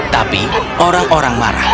tapi orang orang marah